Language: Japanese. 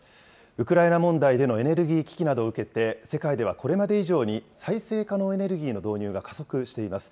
ウクライナ問題でのエネルギー危機などを受けて、世界ではこれまで以上に再生可能エネルギーの導入が加速しています。